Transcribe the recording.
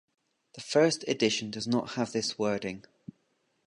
The first edition does not have this wording.